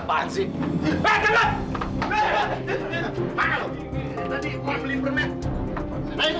tante harus bersih